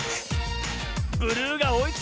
ブルーがおいついてきた。